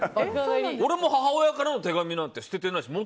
俺も母親からの手紙なんて捨ててない。